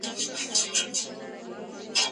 خاوره په دوامداره توګه په آس اچول کېده.